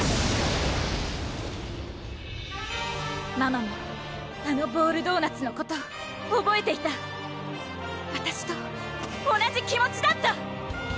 ママもあのボールドーナツのことおぼえていたわたしと同じ気持ちだった！